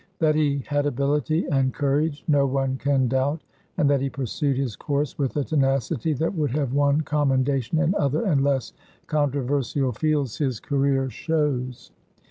That he had ability and courage no one can doubt, and that he pursued his course with a tenacity that would have won commendation in other and less controversial fields, his career shows.